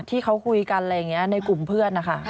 ที่เขาคุยกันในกลุ่มเพื่อนอะค่ะ